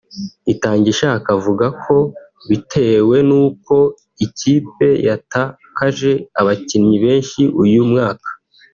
Itangishaka avuga ko bitewe n’uko ikipe yatakaje abakinnyi benshi uyu mwaka